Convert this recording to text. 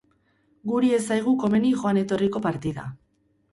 Guri ez zaigu komeni joan etorriko partida.